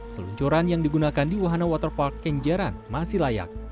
seluncuran yang digunakan di wahana waterpark kenjeran masih layak